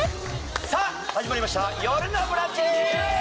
さあ始まりました「よるのブランチ」